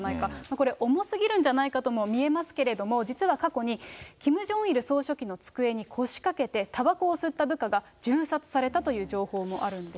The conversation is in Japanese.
これ、重すぎるんじゃないかとも見えますけれども、実は過去にキム・ジョンイル総書記の机に腰かけて、たばこを吸った部下が銃殺されたという情報もあるんです。